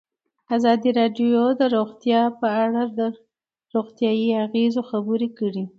ازادي راډیو د روغتیا په اړه د روغتیایي اغېزو خبره کړې.